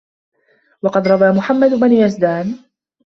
وَقَدْ رَوَى مُحَمَّدُ بْنُ يَزْدَانَ